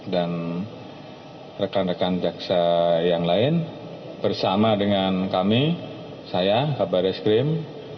dan rekan rekan jaksa yang lain bersama dengan kami saya kabar eskrim